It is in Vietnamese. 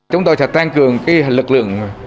chúng tôi sẽ tăng cường lực lượng